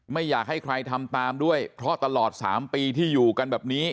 ไม่อยากให้ใครทำตามด้วยเพราะตลอด๓ปีที่อยู่กันแบบนี้